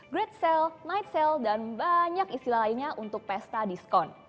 great sale night sale dan banyak istilah lainnya untuk pesta diskon